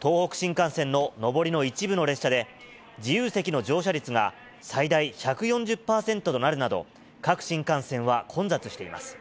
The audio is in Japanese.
東北新幹線の上りの一部の列車で、自由席の乗車率が最大１４０％となるなど、各新幹線は混雑しています。